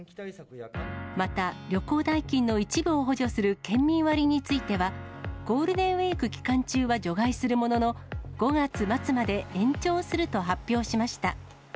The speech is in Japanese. また、旅行代金の一部を補助する県民割については、ゴールデンウィーク期間中は除外するものの、５月末まで延長すると発表しました。